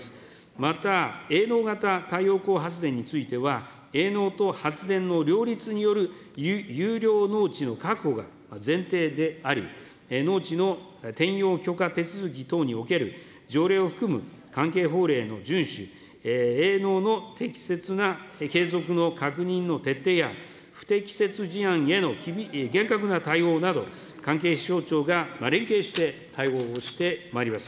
また営農型太陽光発電については、営農と発電の両立による優良農地の確保が前提であり、農地の転用許可手続き等における条例を含む関係法令の順守、営農の適切な継続の確認の徹底や、不適切事案への厳格な対応など、関係省庁が連携して対応をしてまいります。